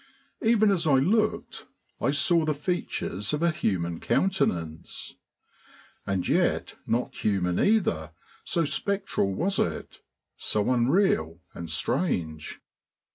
Even as I looked I saw the features of a human countenance and yet not human either, so spectral was it, so unreal and strange.